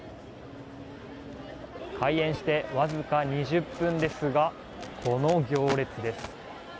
開演してわずか２０分ですがこの行列です。